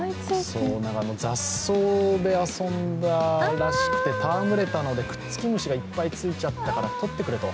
そう、雑草で遊んだらしくて、たわむれたからくっつき虫がいっぱいついちゃったからとってくれと。